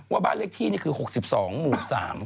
บ้านเลขที่นี่คือ๖๒หมู่๓